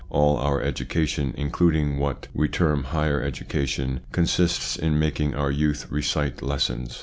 All our education, including what "we term higher education, consists in making our youth recite lessons.